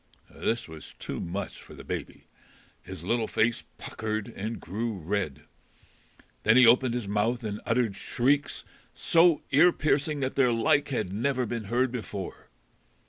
This was too much for the baby. His little face puckered and grew red. Then he opened his mouth and uttered shrieks so ear piercing that their like had never been heard before.